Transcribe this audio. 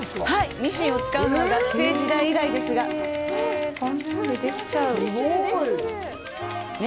ミシンを使うのは学生時代以来ですがへえ、こんなんでできちゃう。ね？